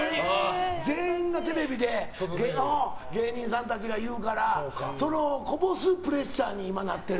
テレビで芸人さんたちが言うからそのこぼすプレッシャーに今なってる。